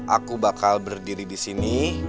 aku bakal berdiri di sini